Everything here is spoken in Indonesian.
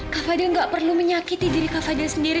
kak fadil gak perlu menyakiti diri kak fadil sendiri